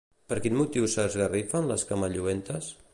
Per quin motiu s'esgarrifen les camalluentes?